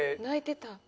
泣いてた。